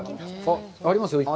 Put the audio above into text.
ありますよ、１個。